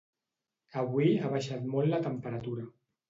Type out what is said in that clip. Avui ha baixat molt la temperatura